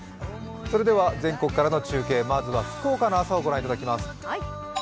全国からの中継、まずは福岡の朝を御覧いただきます。